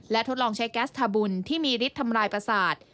ทดลองใช้แก๊สทาบุญที่มีฤทธิ์ทำลายประสาท